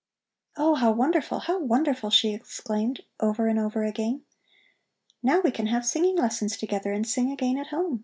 "Oh, how wonderful, how wonderful!" she exclaimed over and over again. "Now we can have singing lessons together and sing again at home.